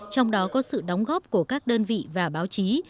trong đó có sự đóng góp của các đơn vị và báo chí